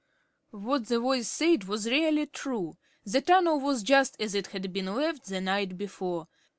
What the voice said was really true. The tunnel was just as it had been left the night before.